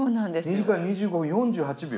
２時間２５分４８秒。